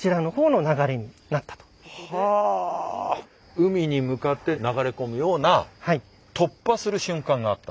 海に向かってなだれ込むような突破する瞬間があった。